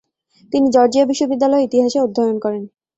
তিনি জর্জিয়া বিশ্ববিদ্যালয়ে ইতিহাসে অধ্যায়ন করেন।